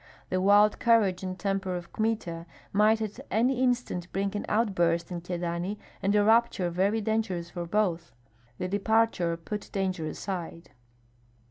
The wild courage and temper of Kmita might at any instant bring an outburst in Kyedani and a rupture very dangerous for both. The departure put danger aside.